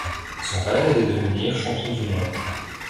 Son rêve est de devenir champion du monde.